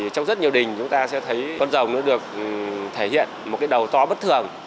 trong rất nhiều đình chúng ta sẽ thấy con rồng nó được thể hiện một cái đầu to bất thường